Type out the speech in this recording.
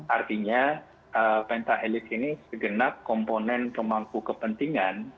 artinya pentahelix ini segenap komponen pemangku kepentingan